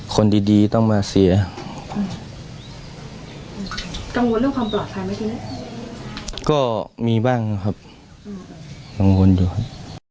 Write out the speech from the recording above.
ก็มีบ้างครับกังวลดูครับ